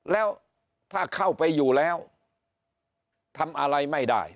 แล้วถ้าเข้าไปอยู่แล้วทำอะไรไม่ได้